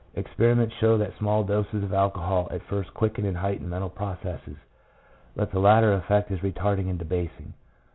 Experiments show that small doses of alcohol at first quicken and heighten mental processes, but the later effect is retarding and debasing.